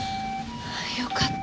よかった。